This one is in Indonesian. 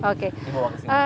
di bawah kesini